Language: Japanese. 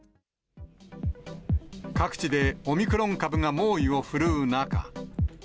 各地でオミクロン株が猛威を振るう中。